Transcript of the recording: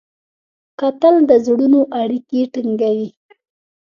کتل د زړونو اړیکې ټینګوي